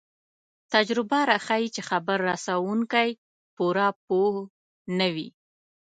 تجربه راښيي چې خبر رسوونکی پوره پوه نه وي.